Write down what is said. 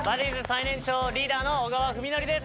最年長リーダーの小川史記です